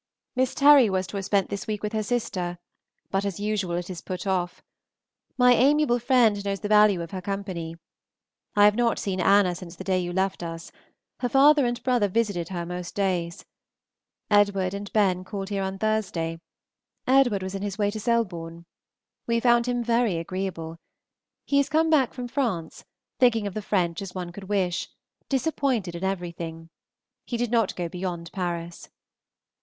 Miss Terry was to have spent this week with her sister, but as usual it is put off. My amiable friend knows the value of her company. I have not seen Anna since the day you left us; her father and brother visited her most days. Edward and Ben called here on Thursday. Edward was in his way to Selborne. We found him very agreeable. He is come back from France, thinking of the French as one could wish, disappointed in everything. He did not go beyond Paris.